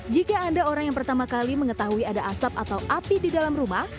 jika anda orang yang pertama kali mengetahui ada asap atau api di dalam rumah